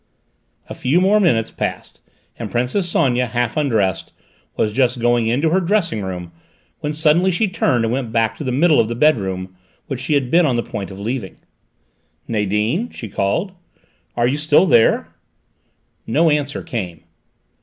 A few more minutes passed, and Princess Sonia, half undressed, was just going into her dressing room when suddenly she turned and went back to the middle of the bedroom which she had been on the point of leaving. "Nadine," she called, "are you still there?" No answer came.